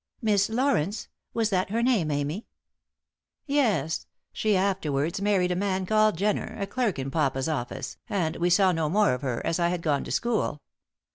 "Miss Laurence? Was that her name, Amy?" "Yes. She afterwards married a man called Jenner, a clerk in papa's office, and we saw no more of her as I had gone to school.